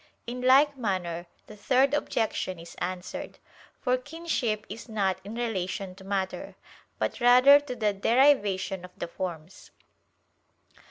In like manner the third objection is answered. For kinship is not in relation to matter, but rather to the derivation of the forms.